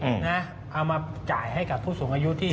เอามาจ่ายให้กับผู้สูงอายุที่